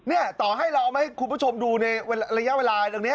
เนี่ยต่อให้เราเอาให้คุณผู้ชมดูในระยะเวลาอย่างนี้